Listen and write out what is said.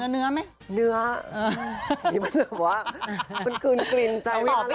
เนื้อมันเหมือนกลิ่นใจไม่มากเลย